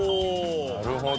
なるほど。